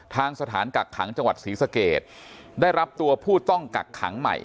ทางสถานกักขังจังหวัดศรีสเกตได้รับตัวผู้ต้องกักขังใหม่